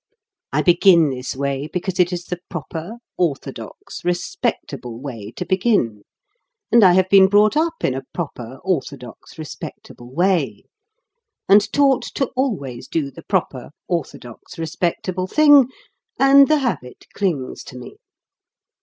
I begin this way because it is the proper, orthodox, respectable way to begin, and I have been brought up in a proper, orthodox, respectable way, and taught to always do the proper, orthodox, respectable thing; and the habit clings to me.